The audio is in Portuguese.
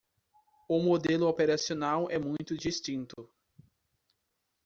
O modelo operacional é muito distinto